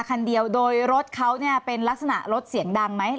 คันเดียวโดยรถเขาเนี่ยเป็นลักษณะรถเสียงดังไหม